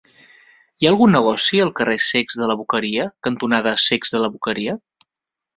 Hi ha algun negoci al carrer Cecs de la Boqueria cantonada Cecs de la Boqueria?